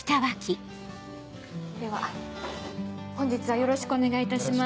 では本日はよろしくお願いいたします。